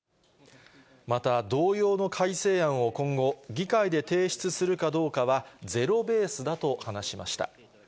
また、同様の改正案を今後、議会で提出するかどうかは、ゼロベースだと話しました。